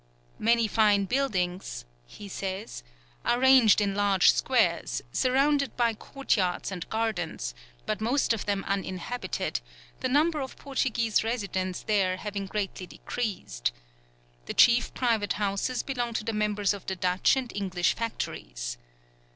"Many fine buildings," he says, "are ranged in large squares, surrounded by courtyards and gardens; but most of them uninhabited, the number of Portuguese residents there having greatly decreased. The chief private houses belong to the members of the Dutch and English factories....